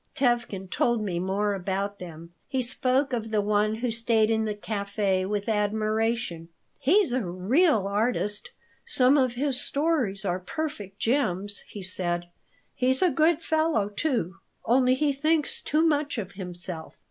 Tevkin told me more about them. He spoke of the one who stayed in the café with admiration. "He's a real artist; some of his stories are perfect gems," he said. "He's a good fellow, too. Only he thinks too much of himself.